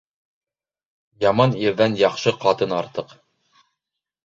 Яман ирҙән яҡшы ҡатын артыҡ.